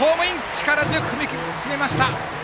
力強く踏みしめました！